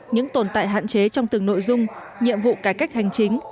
những tồn tại hạn chế trong từng nội dung nhiệm vụ cải cách hành chính